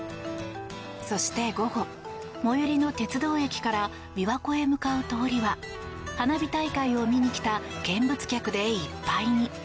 そして午後、最寄りの鉄道駅から琵琶湖へ向かう通りは花火大会を見に来た見物客でいっぱいに。